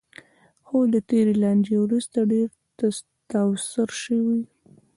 خو د تېرې لانجې وروسته ډېر تاوسر شوی.